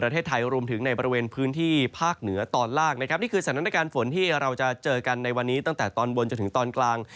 ถึงตอนกลาง